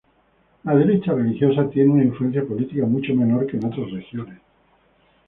La derecha religiosa tiene una influencia política mucho menor que en otras regiones.